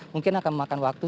mungkin akan memakan waktu